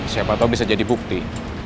siapa tahu bisa jadi bukti